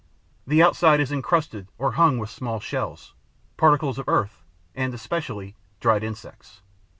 The outside is encrusted or hung with small shells, particles of earth and, especially, dried insects.